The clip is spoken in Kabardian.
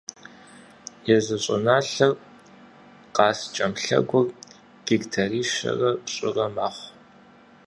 Езы щӏыналъэр, «Къаскӏэм лъэгур», гектарищэрэ пщӏырэ мэхъу.